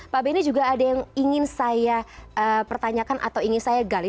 pak benny juga ada yang ingin saya pertanyakan atau ingin saya gali